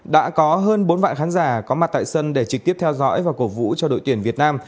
đã có hơn bốn vạn khán giả có mặt tại sân để trực tiếp theo dõi và cổ vũ cho đội tuyển việt nam